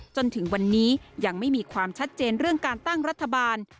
จนถึงวันนี้ยังไม่มีความชัดเจนเรื่องการตั้งรัฐบาล